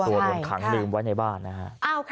โดนขังลืมไว้ในบ้านนะฮะ